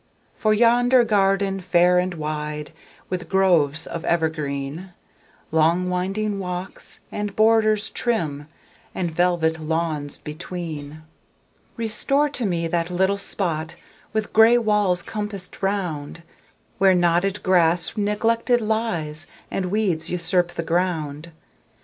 For yonder garden, fair and wide, With groves of evergreen, Long winding walks, and borders trim, And velvet lawns between; Restore to me that little spot, With gray walls compassed round, Where knotted grass neglected lies, And weeds usurp the ground.